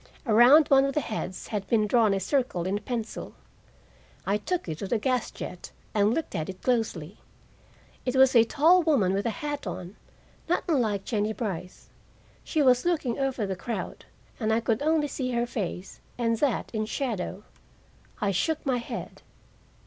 Around one of the heads had been drawn a circle in pencil. I took it to the gas jet and looked at it closely. It was a tall woman with a hat on, not unlike Jennie Brice. She was looking over the crowd, and I could see only her face, and that in shadow. I shook my head.